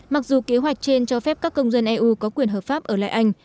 mặc dù kế hoạch trên cho phép các công dân eu có quyền hợp pháp ở lại anh